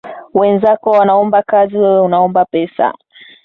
Wenzako wanaomba kazi wewe unaomba pesa.